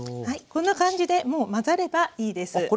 はいこんな感じでもう混ざればいいです。